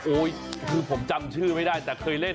คือผมจำชื่อไม่ได้แต่เคยเล่น